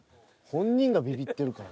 本人がびびってるから。